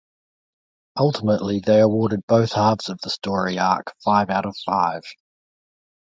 Ultimately, they awarded both halves of the story arc five out of five.